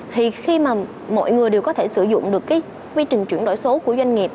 thì khi mọi người đều có thể sử dụng được quy trình chuyển đổi số của doanh nghiệp